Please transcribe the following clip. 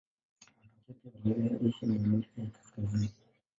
Wanatokea pia Ulaya, Asia na Amerika ya Kaskazini.